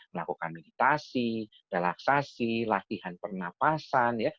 melakukan meditasi relaksasi latihan pernapasan